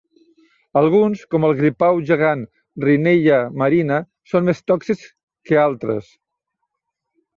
Alguns, com el gripau gegant "Rhinella marina", són més tòxics que altres.